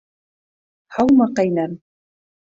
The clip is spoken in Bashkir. Һаумы, ҡәйнәм.